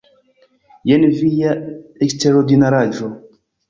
Jen via eksterordinaraĵo.